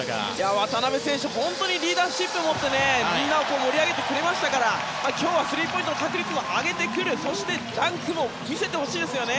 渡邊選手リーダーシップを持ってみんなを盛り上げてくれましたから今日はスリーポイントの確率を上げてくるそしてダンクも見せてほしいです。